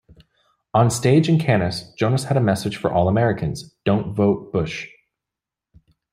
On stage in Cannes, Jonas had a message for all Americans: "Don't vote Bush".